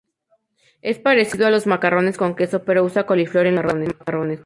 Es parecido a los macarrones con queso, pero usa coliflor en lugar de macarrones.